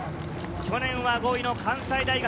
去年は５位の関西大学。